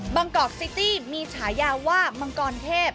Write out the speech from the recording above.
บางกอกซิตี้มีฉายาว่าบางกลเทพ